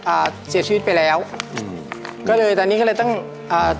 อ่าเสียชีวิตไปแล้วอืมก็เลยตอนนี้ก็เลยต้องอ่า